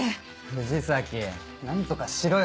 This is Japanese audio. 藤崎何とかしろよ